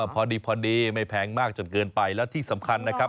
พอดีพอดีไม่แพงมากจนเกินไปแล้วที่สำคัญนะครับ